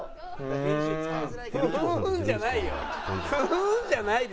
「ふん」じゃないよ！